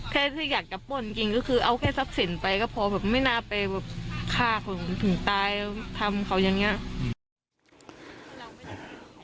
แค่ถ้าอยากกระป้นกินก็คือเอาแค่ทรัพย์สินไปก็พอไม่น่าไปฆ่าคนถึงตายทำเขายังเงี้ย